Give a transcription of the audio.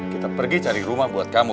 kita pergi cari rumah buat kamu